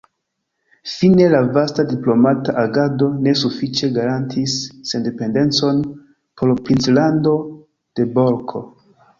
Fine la vasta diplomata agado ne sufiĉe garantiis sendependecon por princlando de Bolko.